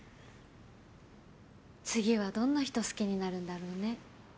次はどんな人好きになるんだろうね。